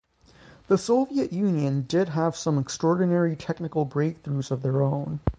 The Soviet Union did have some extraordinary technical breakthroughs of their own.